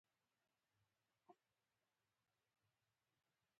ازادي راډیو د عدالت په اړه د راتلونکي هیلې څرګندې کړې.